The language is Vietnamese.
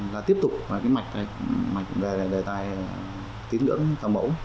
là tiếp tục cái mạch đề tài tín ngưỡng thẩm mẫu